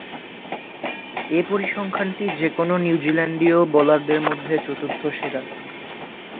এ পরিসংখ্যানটি যে-কোন নিউজিল্যান্ডীয় বোলারের মধ্যে চতুর্থ সেরা।